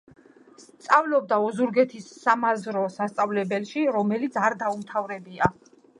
სწავლობდა ოზურგეთის სამაზრო სასწავლებელში, რომელიც არ დაუმთავრებია.